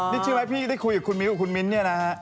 นี่ชิคกี้พายได้คุยกับคุณมิวคุณมินท์เนี่ยนะ